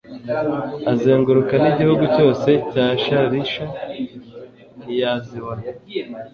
azenguruka n'igihugu cyose cya shalisha ntiyazibona